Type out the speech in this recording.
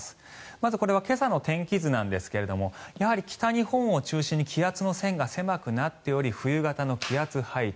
まず、これは今朝の天気図なんですがやはり北日本を中心に気圧の線が狭くなっており冬型の気圧配置。